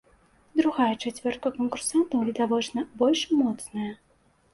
Другая чацвёрка канкурсантаў, відавочна, больш моцная.